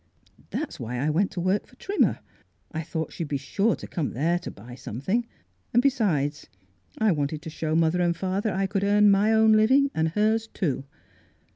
" That's why I went to work for Trim mer, I thought she'd be sure to come there to buy something; and besides, I wanted to show mother and father I could earn my own living and hers, too.